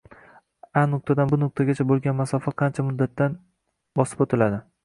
A nuqtadan B nuqtagacha bo'lgan masofa qancha muddatdan bosib o'tiladi?